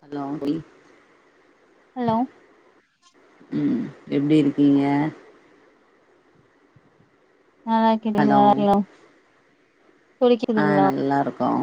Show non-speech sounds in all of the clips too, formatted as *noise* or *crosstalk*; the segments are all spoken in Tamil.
ஹலோ *unintelligible* ஹலோ உம் எப்படி இருக்கீங்க நல்லா இருக்குற நீங்க நல்லயிருக்கிங்களா ஆஹ் நல்லா இருக்கோம்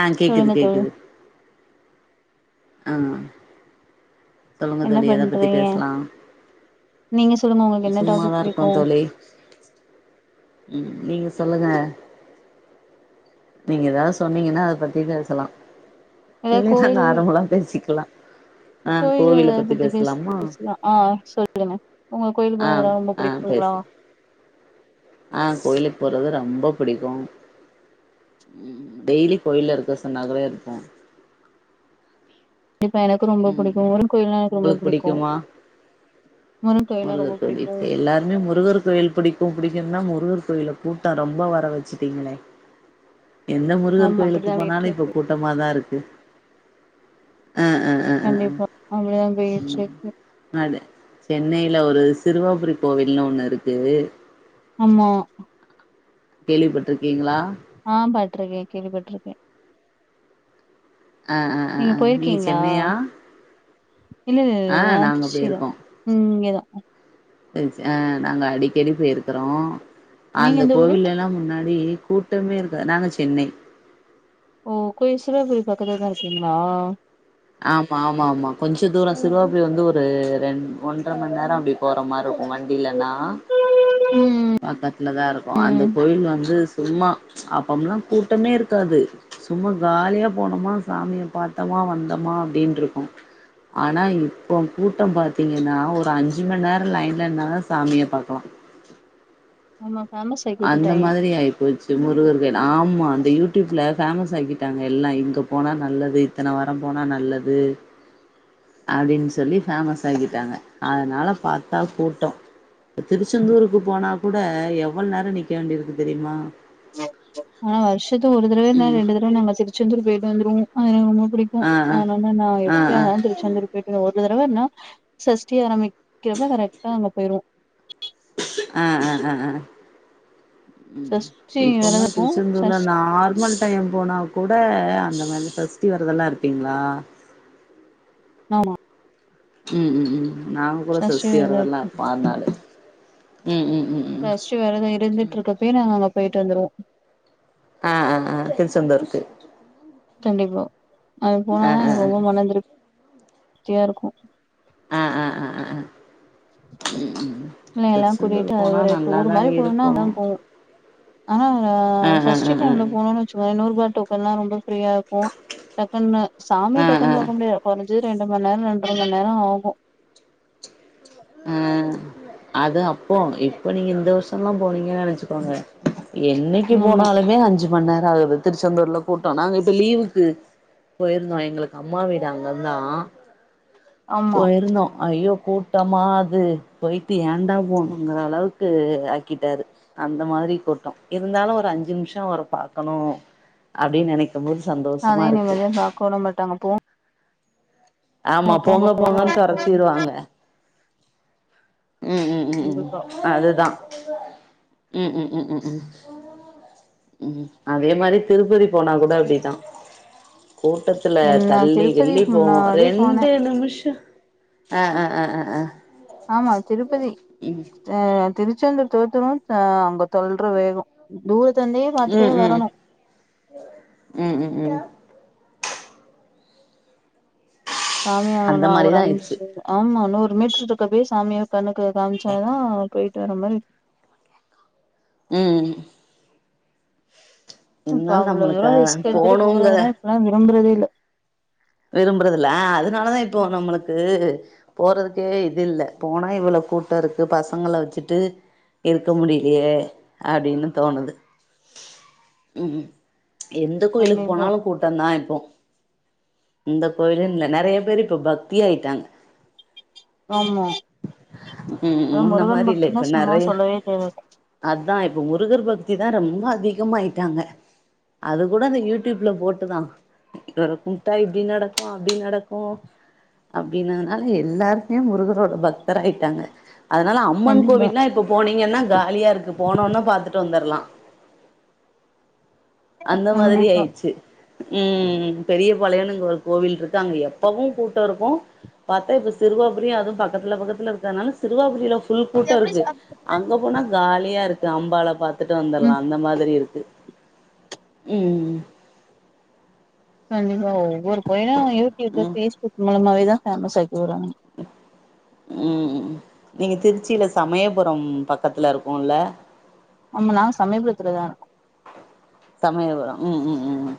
ஆஹ் கேக்குது சொல்லுங்க தோழி கேக்குது ஆஹ் என்ன பண்றீங்க நீங்க சொல்லுங்க உங்களுக்கு என்ன டாபிக் சும்மாதா பிடிக்கும் உம் நீங்க சொல்லுங்க நீங்க ஏதாவது சொன்னீங்கன்னா அத பத்தி பேசலா இல்லனா நர்ம்மலா பேசிக்கலா கோவில ஏதாது பத்தி பேச பேசலா ஆஹ் சொல்லுங்க உங்களுக்கு கோயில் ஆ போறதல்லா ரொம்ப பிடிக்குங்களா ஆஹ் கோயிலுக்கு போறது ரொம்ப பிடிக்கும் உம் டெய்லி கோயில் இருக்க சொன்னக்கே இருப்போம் கண்டிப்பா எனக்கு உ ரொம்ப புடிக்கு முருகன் கோயில்னா எனக்கு ரொம்ப உங்களுக்கு புடிக்கு பிடிக்குமா முருகன் கோயில்னா ரொம்ப முருகர் புடிக்கு கோயில் எல்லாருமே முருகர் கோயில் பிடிக்கும் பிடிக்கும்னா மு முருகர் கோயில கூட்டம் ரொம்ப வர வச்சுட்டீங்களே எந்த முருகர் ஆமா கோயிலுக்கு அப்படிதா போனாலும் இப்போ போயிட்ருக்கு கூட்டமாக தான் இருக்கு ஆஹ் ஆஹ் கண்டிப்பா அப்படிதான் போயிட்டுருக்கு அடு சென்னையில ஒரு சிறுவாபுரி கோவில் ஒண்ணு இருக்கு ஆமா கேள்விப்பட்டிருக்கீங்களா ஆஹ் பட்டிருக்கேன் கேள்விப்பட்டிருக்கேன் ஆஹ் ஆஹ் ஆஹ்ஹ் நீங்க சென்னையா இல்ல இல்ல இல்ல ஆ நான் நாங்க திருச்சிதான் இங்க தான் இஸ் ஆஹ் நாங்க அடிக்கடி போயிருக்றோ நீங்க அந்த எந்த ஊரு கோவில் எல்லா முன்னாடி கூட்டமே இருக்காது நாங்க சென்னை ஓகே *unintelligible* வீடு பக்கத்துலே தான் இருக்கீங்களா ஆமா ஆமா ஆமா கொஞ்ச தூர சிறுவாபுரி வந்து ஒரு ரெண் ஒன்ர மணி நேர அப்டி போற மாரி இருக்கும் வண்டியில ஆ ம் பக்கத்துல தான் இருக்கு அந்த ம் கோயில் வந்து சும்மா அப்பம்ல்லா கூட்டமே இருக்காது சும்மா காலியா போனோமா சாமிய பா்த்தமா வந்த அப்டினு இருக்கும் ஆனா இப்ப கூட்டம் பாத்தீங்கன்னா ஒரு அஞ்சு மணி நேரம் லைன்ல நின்னா தா சாமிய பாக்கலா ஆமா ஃபேமஸ் ஆக்கி அந்த விட்டுட்டாங்க மாதிரி ஆயி போச்சு முருகர் கோவில் ஆமா யூடியூப்ல பேமஸ் ஆக்கிட்டாங்க எல்லா இங்க போனா நல்லது இத்தன வாரம்போனா நல்லது அப்டின் சொல்லி ஃபேமஸ் ஆக்கிட்டாங்க அதனால பாத்தா கூட்டொ திருச்செந்தூருக்கு போனா கூட எ எவ்வள் நேரொ நிக்க வேண்டியிருக்கு தெரியுமா ஆஹ் வருஷத்துக்கு ஒரு தடவ இல்லனா ம் ரெண்டு தடவ நாங்க திருச்செந்தூர் பொயிட்டு வந்துருவோ ஆ எங்க முட் புடிக்கு ஆ அதனால நான் ஆ ஆ ஆ எப்பயாருந்தகலு திருச்செந்தூர் பொய்ட்டு ஒரு இந்த தடவ நா சஷ்டி ஆரம்பிக் கிறப்ப கரெக்டா அங்க பொயிருவோ ஆஹ் ஆஹ் ஆஹ் ஆஹ் ம் சஷ்டி வெரத இப்பம்லா இருப்போ திருச்செந்தூர்ல சஷ் நார்மல் டையம் போனா கூட அந்த மாரிதா சஷ்டி வெரதெல்லா இருப்பிங்ளா நாமா உம் உம் உம் நாங்க கூட சஷ்டி வெரதெல்லா இருப்போ ஆறு நாளு சஷ்டி வெரதொ இருந்துட்ருக்கப்பையே நாங்க அங்க பொயிட்டு வந்துருவோ ஆஹ் ஆஹ் ஆஹ் திருச்செந்தூருக்கு நிபா அது ஆ போனாதா ஆ எனக்கு ரொம்ப மன திருப் தியாருக்கு ஆஹ் ஆஹ் ஆஹ் ஆஹ் ஆஹ் ம் ம் னு எல்லா கூட்டிட்டு திருச்செந்தூர் அது போனா ஒரு டூர் நல்லாதா மாரி போணும்னா இருக்கு நாங் போவோ ஆனா ஆ அ ஆ ஆ சஷ்டி ஆ டைம்ல போனோனு வச்சுக்கோயே நூறு ரூபா டோக்கன்லா ரொம்ப ஃப்ரீயாருக்கு டக்குன்னு சாமிய ஆ ஆ டக்குன்னு பாக்க முடியா போன சு ரெண்டு மணி நேர் ரெண்ர மணி நேரொ ஆகு ஆஹ் அது அப்போ இப்பொ நீங்க இந்த வருஷெல்லா போனீங்கனு வச்சிக்கோங்க என்னைக்கி ஆமா போனாலுமே அஞ்சி மண் நேராகுது து திருச்செந்தூர்ல கூட்டோ நாங்க இப்ப லீவுக்கு பொயிருந்தோ எங்களுக்கு அம்மா வீடு அங்க தா ஆமா போயிருந்தோ அய்யோ கூட் டமா அது பொயிட்டு ஏண்டா போணோங்குற அளவுக்கு ஆக்கிட்டாரு அந்த மாதிரி கூட்டோ இருந்தாலு ஒரு அஞ்சு நிம்ஷொ அவர பாக்கணு அப்டின் நெனைக் அதே நிம்மதியா பாக்கவுட மாட்டாங்க போ ஆமா போங்க போங்கன் போங்க. தொரத்திருவாங்க. உம் உம் உம் உ கண்டிப்பா அதுதா உம் உம் உம் உம் உம் உம் அதே மாதிரி திருப்பதி போனா கூட அப்படித்தான் கூட்டத்துல என்ன தள்ளி திருப்பதி கள்ளி போவோம். முன்னாடி போனே ரெண்டு நிமிஷம் ஆஹ் ஆஹ் ஆஹ் ஆஹ் ஆஹ் ஆமா திருப்பதி அஹ் திருச்செந்தூர் தோத்துனு அஹ ஐம்பத்த தொல்ற வேகம் தூர தந்தே பாரத்துட்டே ம் ம் வரணும். ம் ம் ம் சாமியா அந்த ஆனலா ஒரு மாரிதா ஆயிடுச்சு அஞ்சு ஆமா ன்னோ முட்டு இருக்கப்பவே சாமியும் கணக்கு காம் சான் போய தடர்மல் உம் ப்ப அவ்ளவுோவ நம்மளுக்கு ரிஸ்க் எடுத்துட்டு போணுங்கற போறதுனா இப்பாம் தறத இல விரும்புறதுல அதனாலதான் இப்போ நம்மளுக்கு போறதுக்கே இது இல்லை போனா இவ்வளவு கூட்டம் இருக்கு பசங்களை வச்சுட்டு இருக்க முடியலையே அப்படின்னுனு தோணுது. உம் எந்த கோயிலுக்கு கண்டிப்பா போனாலும் கூட்டம் தான் இப்போ இந்தந்த கோயிலு இல் நிறைய பேரு இப்ப பக்தியயிட்டாங்க ஆமா ம் அத முன்ன முருகன் மாரி இல்ல பக்தினா சும்மா சொல்லவே தேவக் தான் இப்ப முருகர் பக்தி தான் ரொம்ப அதிகம ஆயிட்டாங்க. அது கூட அ யூடியூப்ல போட்டுதான். இவர குட்டாப் இப்படி நடக்கும், அப்படி நடக்கும் அப்படின்னால எல்லாருமே முருகரோட பக்தர்யிட்டாங்க. அதனால் அம்மன் கண்டிப்பா கோவில்லனால் இப்போ போனீங்கன்னா காலியாக இருக்கு போனோன்னா பார்த்துட்டு வந்துடலாம் அந்த மாதிரி கண்டிப்பா ஆயிடுச்சு உம் பெரிய பழையானு ஒரு கோவில் இருக்காங்க எப்பவும் கூட்டம் இருக்கும் பார்த்த இப்ப சிறுவா புரி அதும் பக்கத்தல பக்கத்தல இருக்க சிறுவாபுரியல புள் கூட்டம் இருக்கு அங்க போனா காலியா இருக்கு அம்பால பா த்து வந்துலா ம் அந்த மாரி இருக்கு உம் கண்டி ஒவ்வொரு கோயிலு யூடிப்பு ம் பேஸ்புக் மூலமாவே மா ஃபேமஸ் ஆக் போறாங்க உம் நீங்க திருச்சில சமயபுரம் பக்கத்துல இருக்குல்ல ஆமா நாங்க சமையபுரத்துல தா இருக்கோ சமயபுர ம் ம் ம் ம்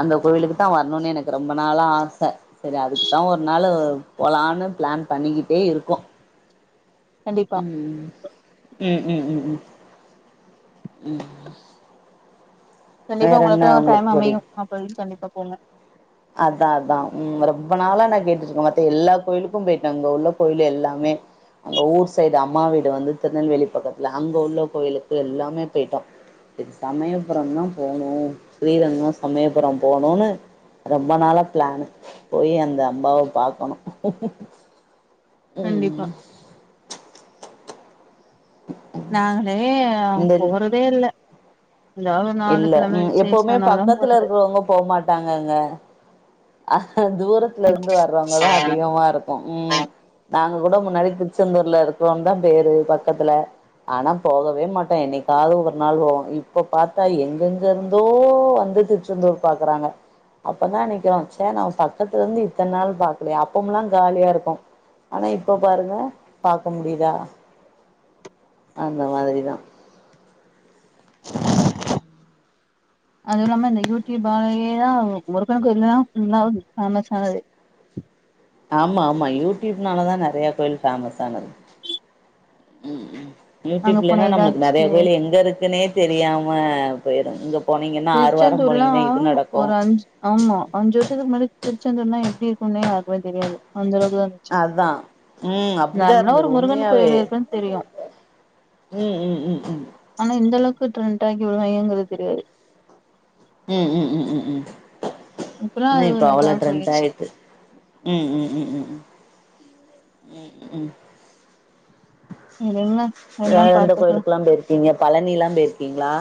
அந்த கோவிலுக்கு தா வரணுன்னு எனக்கு ரொம்ப நாளா ஆச செரி அதுக்கு தா ஒரு நாளு போலான்னு பிளான் பண்ணிக்கிட்டே இருக்கோ கண்டிப்பா ம் ம் ம் ம் ம் ம் ம் கண்டிப்பா உங்களுக்குன்னு ஒரு டைம் புடி அமையு அப்போதைக்கு கண்டிப்பா போங்க அதா அதா ம் ரொம்ப நாளா நா கேட்டுட்டுருக்கே மத்த எல்லா கோயிலுக்கு பெய்ட்டே அங்க உள்ள கோயிலு எல்லாமே அந்த ஊர் சைடு அம்மா வீடு வந்து திருநெல்வேலி பக்கத்துல அங்க உள்ள கோயிலுக்கு எல்லாமே பெய்ட்டோ செரி சமயபுர தா போணு ஸ்ரீரங்கொ சமயபுரொ போணுன்னு ரொம்ப நாள பிளான்னு போய் அந்த அம்மாவ பாக்கணு கண்டிப்பா ம் நாங்களே இந்த போறதே இல்ல ஏதாவது ஒரு இல்ல ஞாயித்துக்கிழம ம் எப்பவுமே விசேஷனாதா பக்கத்துல போறது இருக்கறவங்க போகமாட்டாங்கங்க ஆ தூரத்துலருந்து வரவங்கதா அதிகமா இருக்கு ம் நாங் இப்ப கூட முன்னாடி திருச்செந்தூர்ல இருக்குறோன்னு தா பேரு பக்கத்துல ஆனா போகவே மாட்டே என்னைக்காவது ஒரு நாள் போவோ இப்ப பாத்தா எங்கெங்கருந்தோ வந்து திருச்செந்தூர் பாக்குறாங்க அப்பதா நிக்கிற தா நாம பக்கத்துலருந்து இத்தன்னாள் பாக்கலயா அப்பம்லா காலியாருக்கு ஆனா இப்ப பாருங்க பாக்க முடியுதா அந்த மாதிரிதா அதுயில்லாம இந்த யூடியூப்பாலேயேதா முருகனுக்கு *unintelligible* கொஞ்சமாவது ஃபேமஸ் ஆனது ஆமா ஆமா யூடியூப்னாலதா நெறைய கோயில் பேமஸ் ஆனது ம் ம் அங்க யூடியூப் போன இல்லன்னா நம்ளுக்கு ஏதாச்சு நெறைய கோயில் எங்க இருக்குன்னே தெரியாம பொயிடு இங்க போனீங்கன்னா ஆறுவாரம் திருச்செந்தூர்லா போனீங்கன்னா இது நடக்கு ஒரு அஞ்சு ஆமா அஞ்சு வருஷத்துக்கு முன்னாடி திருச்செந்தூர்னா எப்டி இருக்குன்னே யாருக்குமே தெரியாது அந்தளவுக் அதுதா ம் அப்டிதா நார்மலா ஒரு இருந்துது முருகன் உண்மையாவே கோயில் இருக்குன்னு தெரியு ம் ம் ம் ம் *unintelligible* இப்டிலா இருக்குங்றது தெரியாது ம் ம் ம் ம் ம் இப்பல்லா இது அது இப்போ ஒரு அவ்ளோ இதா ட்ரெண்ட் போயிடுச்சு ஆய்ட்டு ம் ம் ம் ம் ம் ம் ம் விடுங்க எல்லா வேற எந்த பாத்துக்கலா கோயிலுக்கெல்லா பெய்ரிக்கீங்க பழனிலா பெய்ரிக்க்கீங்களா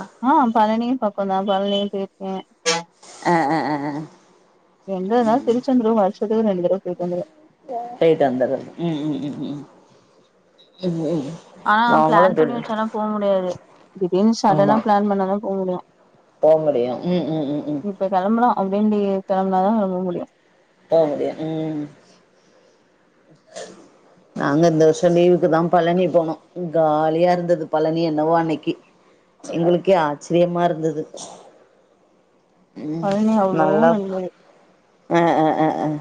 பக்க தா பழனி பெய்ருக்கே ஆ ஆ ஆ ஆ எங்கருந்தாலு திருச்செந்தூர் வருஷத்து ரெண்டு தடவ போய்ட்டு வந்துருவே போயிட்டு வந்துறது ம் ம் ம் ம் ம் ஆனா நாங்களு பிளான் பண்ணி வச்சாலா போ முடியாது திடீர்ன்னு சடனா ஆமா பிளான் பண்ணாதா போ முடியு போ முடியு ம் ம் ம் ம் அப்டின்னு கெளம்புனாதா கெளம்ப முடியு போ முடியு ம் நாங்க இந்த வருஷ லீவுக்கு தா பழனி போனோ காலியா இருந்துது பழனி என்னவோ அன்னிக்கி எங்களுக்கே ஆச்சிரியமா இருந்துது பழனி அவ்ளோ நல்லது ஆஹ் ஆஹ் ஆஹ் ஆஹ்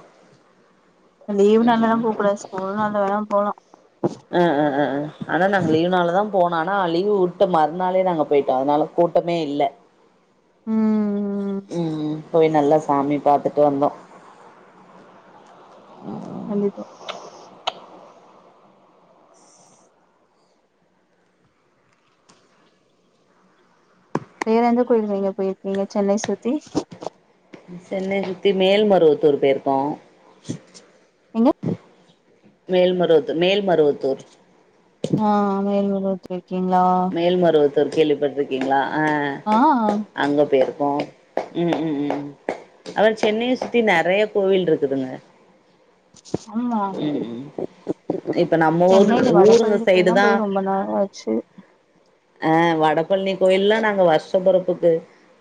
லீவ் நாள்ளலா போக்கூடாது ஸ்கூல் நாள்ல வேணா போலா ஹ்ம் ஹம் ஹ்ம் ஹ்ம் ஆனா நாங்க லீவ் நாள்ல தான் போனோம் ஆனா லீவு வுட்ட மறுநாளே நாங்க போய்ட்டோம் அதுனால கூட்டமே இல்ல ம் உம் உம் போய் நல்லா சாமி பாத்துட்டு வந்தோம் கண்டிப்பா வேற எந்த கோயில்க்கு நீங்க போய்ர்க்கீங்க சென்னை சுத்தி சென்னை சுத்தி மேல்மருவத்தூர் போய்ருக்கோம் எங்க மேல்மருவத்தூர் மேல்மருவத்தூர் ஆஹ் மேல்மருவத் ஓக்கேங்ளா தூர் கேள்விப்பட்ருக்கீங்ளா ஆஹ் அங்க போயிருக் உம் உம் உம் உம் அதா சென்னைய சுத்தி நெறைய கோவில் இருக்குதுங்க ஆமா ம் ம் இப்ப நம்ம ஊர் சென்னைள ஊருங்க வடபழனி சைடு கோயில்லா போய் ரொம்ப நாள் ஆச்சு ஹ வடபழனி கோயில்லா நாங்க வருஷபொறப்புக்கு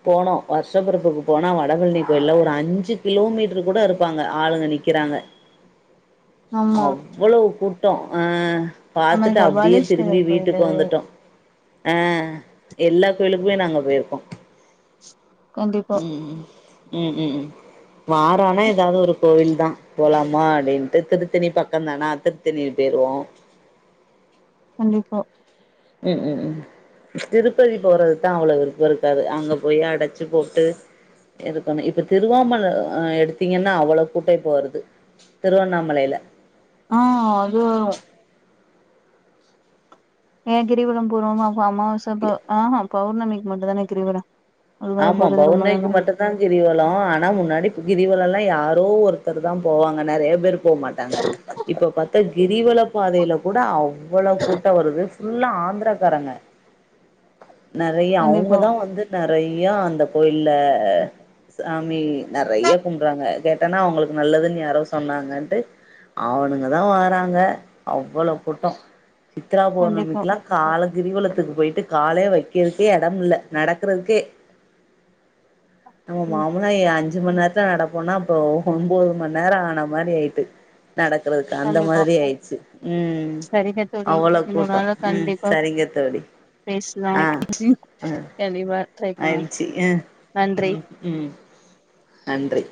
போனோம் வருஷபொறப்புக்கு போனா வடபழனி கோயில்ல ஒரு அஞ்சு கிலோ மீட்ருக்கு கூட இருப்பாங்க ஆளுங்க நிக்கிறாங்க ஆமா அவ்வோளவு கூட் கூட்டோம் ஆஹ் அது மாரி பாத்துட்டு அப்டியே திரும்பி கபாலீஸ்வரர் வீட்டுக்கு கோயிலு வந்துட்டோம் அஹ் எல்லா கோயிலுக்கும் உள்ள நாங்க போயிருக்கோம் கண்டிப்பா உம் உம் உம் உம் உம் வாரோம் ஆனா ஏதாது ஒரு கோவில் தான் போலாமா அப்டினு திருத்தணி பக்கம் தானா திருத்தணி போய்ருவோம் கண்டிப்பா உம் உம் உம் திருப்பதி போறது தான் அவ்ளோவு விருப்பம் இருக்காது அங்க போயி அடைச்சு போட்டு இருக்கணும் இப்ப திருவாமலை எடுத்தீங்கன்னா அவ்வளோ கூட்டோம் இப்ப வருது திருவண்ணாமலைல ஆஹ் அது வரும் ஏன் கிரிவலம் போறோமா ஆமா உசப்பு ஆஹ பௌர்ணமிக்கு மட்டும் தான கிரிவலம் அது மாரி ஆமா போறது ரொம்ப பௌர்ணமிக்கு நாளா மட்டும்தான் கிரிவலம் ஆனா முன்னாடி கிரிவலம் எல்லா யாரு ஏதோ ஒருத்தர் தான் போவாங்க நெறைய பேர் போ மாட்டாங்க இப்போ பாத்தா இப்ப கிரிவல பாதையில கூட அவ்வளவு கூட்டம் வருது ஃபுல்லா ஆந்திரா காரங்க நெறைய அவங்க கண்டிப்பா தான் வந்து நெ ஏ அந்த கோயில்ல சாமி நெறைய்யா கும்ப்ட்றாங்க கேட்டனா அவங்களுக்கு நல்லதுன்னு யாரோ சொன்னாங்கன்டு அவனுங்க தா வராங்க அவ்வள கூட்டோ சித்ரா கண்டிப்பா பௌர்ணமிக்லா காலகிரிவலத்துக்கு பொயிட்டு காலே வைக்கிறக்கே எடமில்லை நடக்றதுக்கு தெ நமா ம் மாமனா ஏஞ்சு அஞ்சு மணி நேரத்தில நடப்போன்னா அப்பொ ஒ ஒன்போது மணி நேரோ ஆன மாரி ஆயிட்டு நடக்றதுக்கு அந்த கண்டிப்பா மாதிரி ஆய்ச்சு ம் சரிங்க தோழி அவ்வள இன்னொரு கூட்டொ நாள்ல ம் சரிங்க தோழி நா ஏ நீமா ஆயிருச்சு எ ம்கு நன்றி